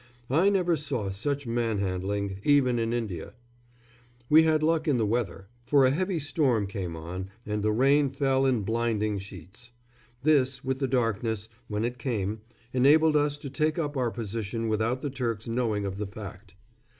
I never saw such man handling, even in India. We had luck in the weather, for a heavy storm came on and the rain fell in blinding sheets. This, with the darkness, when it came, enabled us to take up our position without the Turks knowing of the fact.